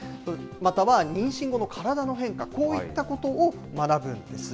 または妊娠後の体の変化、こういったことを学ぶんです。